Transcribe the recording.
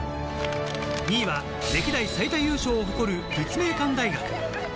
２位は歴代最多優勝を誇る立命館大学。